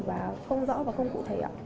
và không rõ và không cụ thể